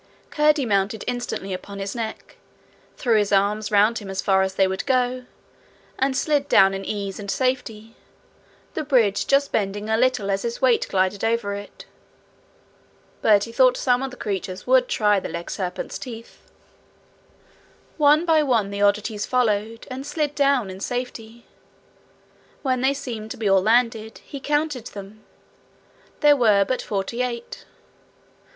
Curdie mounted instantly upon his neck, threw his arms round him as far as they would go, and slid down in ease and safety, the bridge just bending a little as his weight glided over it. But he thought some of the creatures would try the legserpent's teeth. One by one the oddities followed, and slid down in safety. When they seemed to be all landed, he counted them: there were but forty eight.